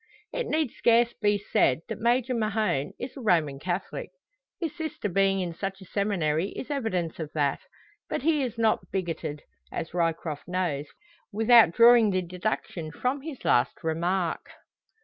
It need scarce be said that Major Mahon is a Roman Catholic. His sister being in such a seminary is evidence of that. But he is not bigoted, as Ryecroft knows, without drawing the deduction from his last remark.